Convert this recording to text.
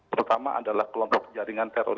pertama adalah kelompok jaringan teroris